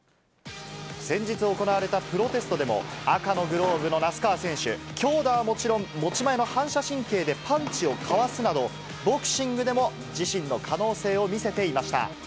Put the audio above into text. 先日行われたプロテストでも、赤のグローブの那須川選手、強打はもちろん、持ち前の反射神経でパンチをかわすなど、ボクシングでも自身の可能性を見せていました。